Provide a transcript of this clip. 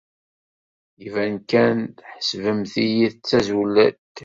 Iban kan tḥesbemt-iyi d tazulalt.